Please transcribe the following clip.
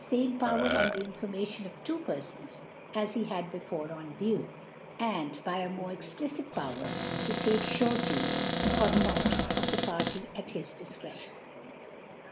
fame Power on the Information Dfitwo^PerTons, as Hei had before on View; and, ^by^ >niorc.expUcite ^Pavirer, to take Sureties or not of the Party, at^his Difcr^* <tion.